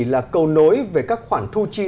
là cầu nối về các khoản thu chi